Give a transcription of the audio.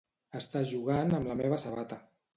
Està jugant amb la meva sabata.